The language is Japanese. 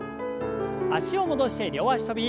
脚を戻して両脚跳び。